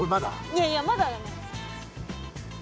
いやいやまだだね。